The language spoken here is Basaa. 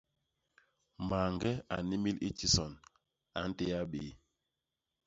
Mañge a nnimil i tison, a ntéa béé.